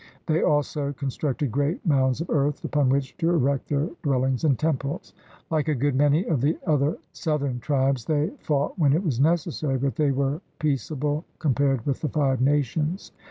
They also constructed great mounds of earth upon which to erect their dwellings and temples. Like a good many of the other southern tribes, they fought when it was necessary, but they were peace able compared with the Five Nations.